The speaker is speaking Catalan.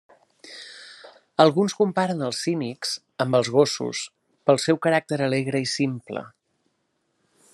Alguns comparen als cínics amb els gossos pel seu caràcter alegre i simple.